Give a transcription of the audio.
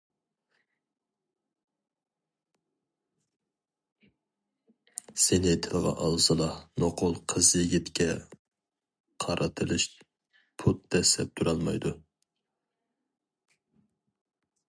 سېنى تىلغا ئالسىلا نوقۇل قىز-يىگىتكە قارىتىلىش پۇت دەسسەپ تۇرالمايدۇ.